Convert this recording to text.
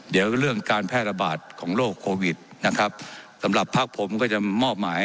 เดี๋ยวเรื่องการแพร่ระบาดของโรคโควิดนะครับสำหรับพักผมก็จะมอบหมาย